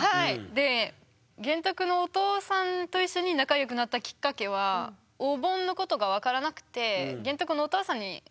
で玄徳のお父さんと一緒に仲良くなったきっかけはお盆のことが分からなくて玄徳のお父さんに聞いたんですよ。